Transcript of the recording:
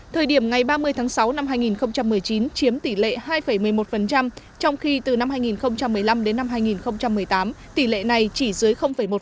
thời điểm ngày ba mươi tháng sáu năm hai nghìn một mươi chín chiếm tỷ lệ hai một mươi một trong khi từ năm hai nghìn một mươi năm đến năm hai nghìn một mươi tám tỷ lệ này chỉ dưới một